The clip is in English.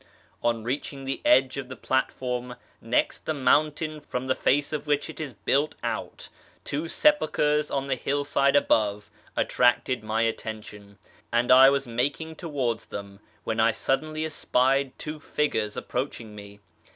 On reaching the edge of the platform next the mountain from the face of which it is built out, two sejoulchres on the hillside above attracted my attention, and I was making towards them when I suddenly espied two figures approaching me.